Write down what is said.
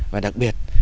và đặc biệt